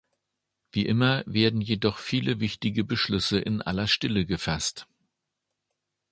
Wie immer werden jedoch viele wichtige Beschlüsse in aller Stille gefasst.